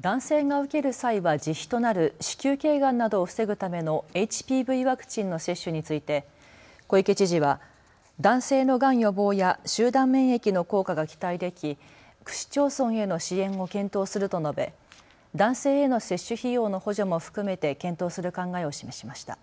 男性が受ける際は自費となる子宮けいがんなどを防ぐためのＨＰＶワクチンの接種について小池知事は男性のがん予防や集団免疫の効果が期待でき区市町村への支援を検討すると述べ、男性への接種費用の補助も含めて検討する考えを示しました。